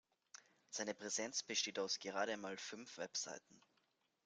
Seine Präsenz besteht aus gerade einmal fünf Webseiten.